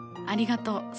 ありがとう。